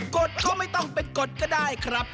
กฎก็ไม่ต้องเป็นกฎก็ได้ครับ